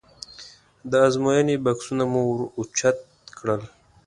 د ازموینې بکسونه مو ور اوچت کړل.